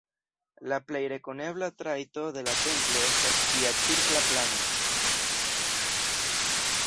La plej rekonebla trajto de la templo estas ĝia cirkla plano.